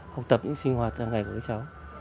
học tập những sinh hoạt hàng ngày của các cháu